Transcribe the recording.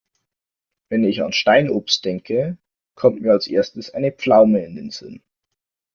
Wenn ich an Steinobst denke, kommt mir als Erstes eine Pflaume in den Sinn.